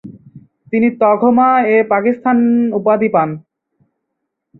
তিনি তঘমা-এ-পাকিস্তান উপাধি পান।